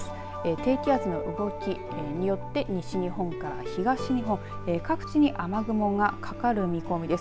低気圧の動きによって西日本から東日本、各地に雨雲がかかる見込みです。